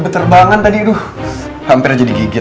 terbangan tadi duh hampir jadi gigitnya